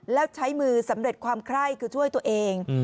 แล้วใช้มือสำเร็จความไคร้คือช่วยตัวเอง